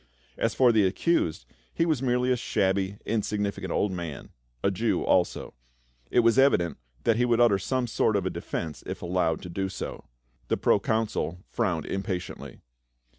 As for the accused, he was merely a shabby insignificant old man — a Jew also. It was evident that he would utter some sort of a defence if allowed to do so. The proconsul frowned impatiently.